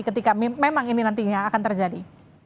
ketika memang ini nantinya akan terjadi